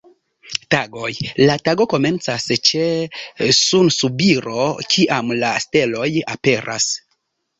Tagoj: la tago komencas ĉe sunsubiro, kiam la steloj aperas.